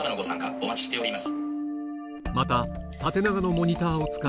お待ちしております。